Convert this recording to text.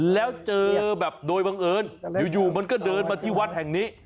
แล้วเจอแบบโดยบังเอิญอยู่มันก็เดินมาที่วัดแห่งนี้